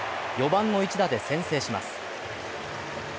４番の一打で先制します。